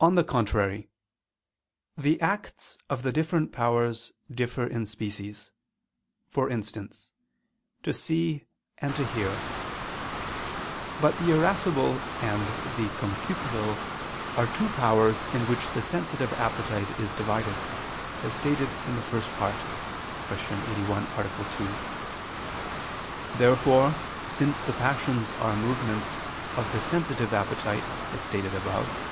On the contrary, The acts of the different powers differ in species; for instance, to see, and to hear. But the irascible and the concupiscible are two powers into which the sensitive appetite is divided, as stated in the First Part (Q. 81, A. 2). Therefore, since the passions are movements of the sensitive appetite, as stated above (Q.